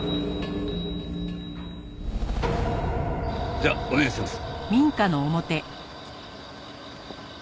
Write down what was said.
じゃあお願いします。